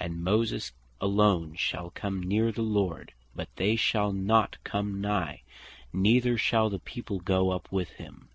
And Moses alone shall come neer the Lord, but they shall not come nigh, neither shall the people goe up with him."